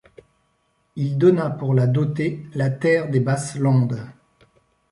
Il donna pour la doter la terre des Basses-Landes.